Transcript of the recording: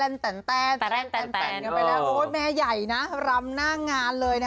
แมงใหญ่รำนั่งงานเลย